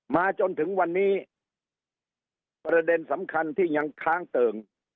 มาจนถึงวันนี้ประเด็นสำคัญที่ยังค้างเติ่ง